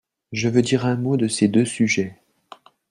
Je veux dire un mot de ces deux sujets.